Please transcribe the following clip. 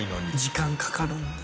時間かかるんだよ。